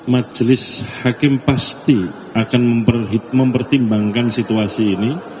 majelis hakim pasti akan mempertimbangkan situasi ini